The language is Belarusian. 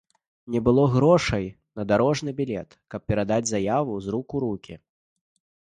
Не было грошай на дарожны білет, каб перадаць заяву з рук у рукі.